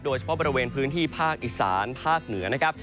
โดยเฉพาะบริเวณพื้นที่ภาคอีสานภาคเหนือนะครับ